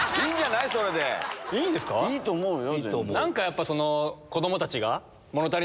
いいと思うよ。